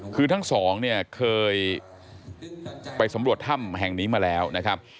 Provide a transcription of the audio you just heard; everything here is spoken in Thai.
คือทั้งสองเนี่ยเคยไปสำรวจถ้ำแห่งนี้มาแล้วนะครับ